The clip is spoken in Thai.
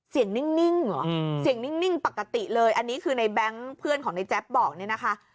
เสียงนิ่งปกติเลยอันนี้คือในแบงค์เพื่อนของในแจ็ปบอก